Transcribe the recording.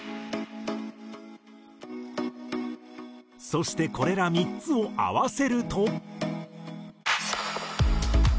そしてこれら３つを合わせると。